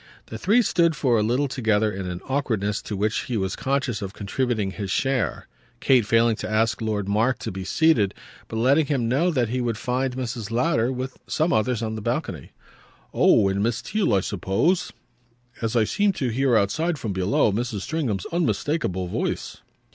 The three stood for a little together in an awkwardness to which he was conscious of contributing his share; Kate failing to ask Lord Mark to be seated, but letting him know that he would find Mrs. Lowder, with some others, on the balcony. "Oh and Miss Theale I suppose? as I seemed to hear outside, from below, Mrs. Stringham's unmistakeable voice."